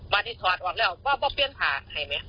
วันนี้ถอดออกแล้วว่าเปลี่ยนผ่าให้ไหม